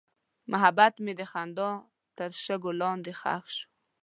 محبت مې د خندا تر شګو لاندې ښخ شو.